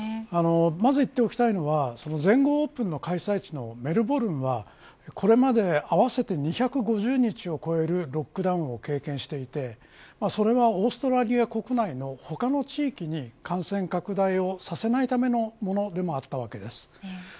まず言っておきたいのは全豪オープンの開催地のメルボルンはこれまで合わせて２５０日を超えるロックダウンを経験していてこれはオーストラリア国内他の地域に感染拡大をさせないためのものでもあったわけです。